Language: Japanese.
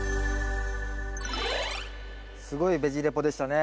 すごい「ベジ・レポ」でしたね。